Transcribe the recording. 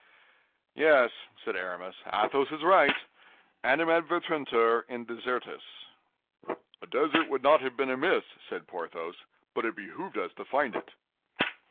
"Yes," said Aramis, "Athos is right: Animadvertuntur in desertis." "A desert would not have been amiss," said Porthos; "but it behooved us to find it."